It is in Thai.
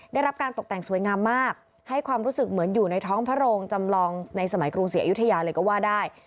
ได้รับการตกแต่งสวยงามมากให้ความรู้สึกเหมือนอยู่ในท้องพระโรงจำลองในสมัยกรุงศรีอยุธยาเลยก็ว่าได้